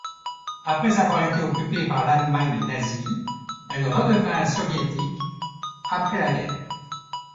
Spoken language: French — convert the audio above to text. Après avoir été occupée par l'Allemagne nazie, elle redevint soviétique après la guerre.